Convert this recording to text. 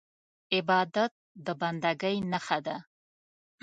عبادت د بندګۍ نښه ده.